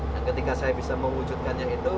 dan ketika saya bisa mewujudkannya itu